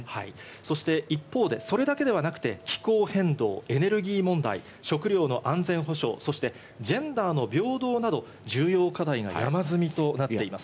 そして一方でそれだけではなくて、気候変動、エネルギー問題、食糧の安全保障、そしてジェンダーの平等など重要課題が山積みとなっています。